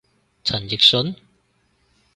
陳奕迅？